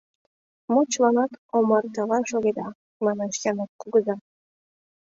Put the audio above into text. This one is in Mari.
— Мо чыланат омартала шогеда? — манеш Янык кугыза.